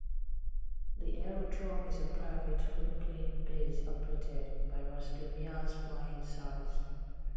The aerodrome is a private floatplane base operated by Rusty Myers Flying Service.